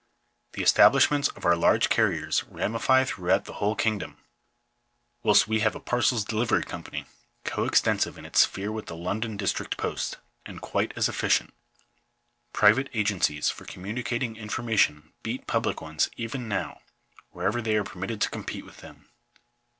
The establishments of our large carriers ramify throughout the whole kingdom ; whilst we have a Parcels Delivery Company, co extensive in its sphere with the London District Post, and quite as efficient. Private agencies for communicating information beat public ones even now, wherever they are permitted to compete with them.